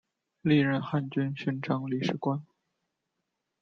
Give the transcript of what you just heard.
历任汉军巡城理事官。